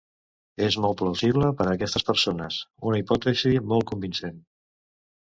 És molt plausible per a aquestes persones, una hipòtesi molt convincent.